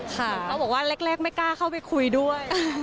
เขาบอกว่าเล็กไม่กล้าเข้าไปคุยด้วย